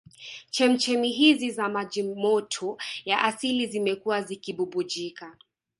Chemchemi hizi za maji moto ya asili zimekuwa zikibubujika